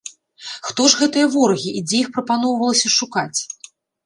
Хто ж гэтыя ворагі і дзе іх прапаноўвалася шукаць?